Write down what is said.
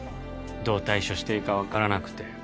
どう対処していいか分からなくて